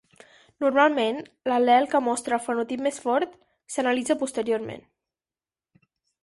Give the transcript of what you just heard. Normalment, l"al·lel que mostra el fenotip més fort s"analitza posteriorment.